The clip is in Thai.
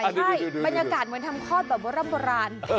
ใช่บรรยากาศเหมือนทำคลอดแบบโบราณ